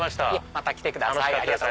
また来てください。